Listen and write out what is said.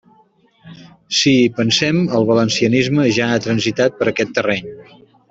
Si hi pensem, el valencianisme ja ha transitat per aquest terreny.